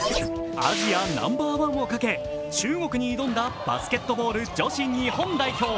アジアナンバーワンをかけ、中国に挑んだバスケットボール女子日本代表。